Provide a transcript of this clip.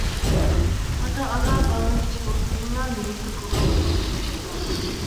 ئاتا-ئانا بالىنىڭ كىچىك ۋاقتىدىنلا نېمىگە قىزىقىدىغانلىقىغا دىققەت قىلىشى لازىم.